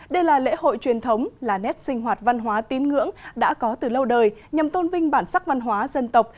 đây là lễ hội truyền thống là nét sinh hoạt văn hóa tín ngưỡng đã có từ lâu đời nhằm tôn vinh bản sắc văn hóa dân tộc